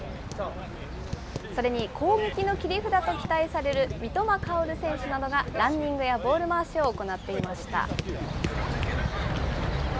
それに攻撃の切り札と期待される三笘薫選手などがランニングやボール回しを行っていました。